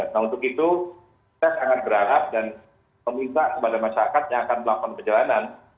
nah untuk itu saya sangat berharap dan meminta kepada masyarakat yang akan melakukan perjalanan